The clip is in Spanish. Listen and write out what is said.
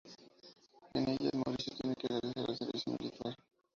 En ellas Mauricio tiene que realizar el servicio militar.